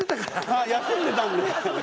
はい休んでたんで。